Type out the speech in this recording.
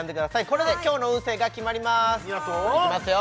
これで今日の運勢が決まりますいきますよ